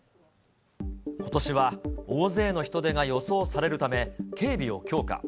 ことしは大勢の人出が予想されるため、警備を強化。